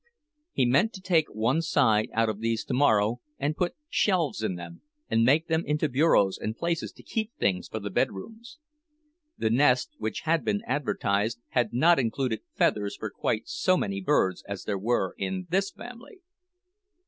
He meant to take one side out of these tomorrow, and put shelves in them, and make them into bureaus and places to keep things for the bedrooms. The nest which had been advertised had not included feathers for quite so many birds as there were in this family.